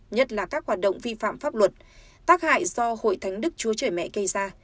nhất là các hoạt động vi phạm pháp luật tác hại do hội thánh đức chúa trời mẹ gây ra